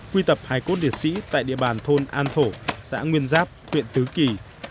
quy tập hải cốt liệt sĩ tại địa bàn thôn an thổ xã nguyên giáp huyện tứ kỳ